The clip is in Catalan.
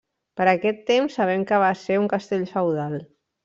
Per aquest temps sabem que va ser un castell feudal.